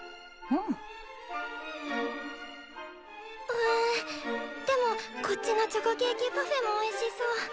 うんでもこっちのチョコケーキパフェもおいしそう。